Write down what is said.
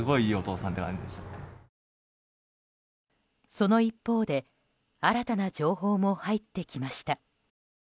その一方で新たな情報も入ってきました。